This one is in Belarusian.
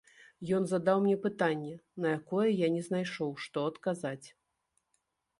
Ён задаў мне пытанне, на якое я не знайшоў, што адказаць.